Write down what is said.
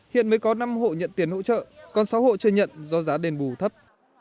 hiện mới có năm hộ nhận tiền hỗ trợ còn sáu hộ chưa nhận do giá đền bù thấp